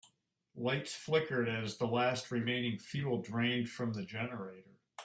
Lights flickered as the last remaining fuel drained from the generator.